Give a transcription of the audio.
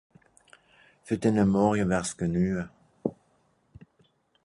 Fer denne Morje wär's genue.